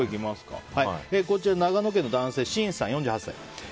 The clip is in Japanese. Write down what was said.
長野県の男性、４８歳の方。